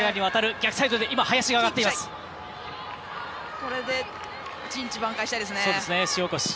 これで陣地挽回したいですね。